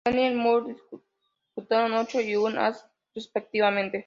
Lanier y Murphy disputaron ocho y un All-Star respectivamente.